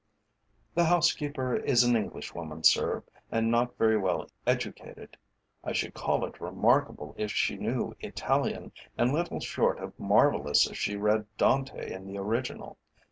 "The housekeeper is an Englishwoman, sir, and not very well educated. I should call it remarkable if she knew Italian, and little short of marvellous if she read Dante in the original.